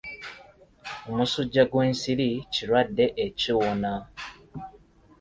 Omusujja gw'ensiri kirwadde ekiwona.